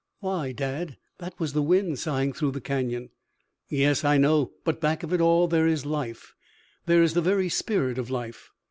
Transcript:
"Why, Dad, that was the wind sighing through the Canyon." "Yes, I know, but back of it all there is life, there is the very spirit of life.